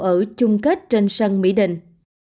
ở chung kết trên sân mỹ đình